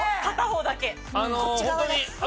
片方だけ。